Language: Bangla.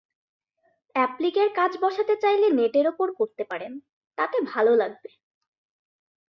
অ্যাপ্লিকের কাজ বসাতে চাইলে নেটের ওপর করতে পারেন, তাতে ভালো লাগবে।